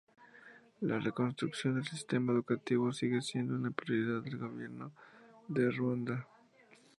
La reconstrucción del sistema educativo sigue siendo una prioridad del gobierno de Ruanda.